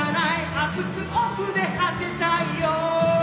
熱く奥で果てたいよ